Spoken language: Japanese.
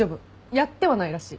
やってはないらしい。